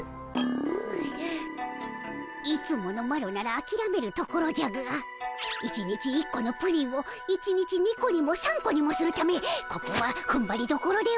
うぐいつものマロならあきらめるところじゃが１日１個のプリンを１日２個にも３個にもするためここはふんばりどころでおじゃる。